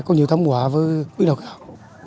cũng như thấm quả với biến đổi học